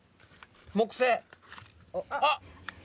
「木星」あっ！